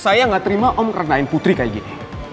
saya nggak terima om kerenain putri kayak gini